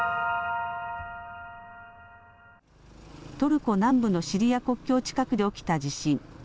トルコ南部のシリア国境近くで起きた地震。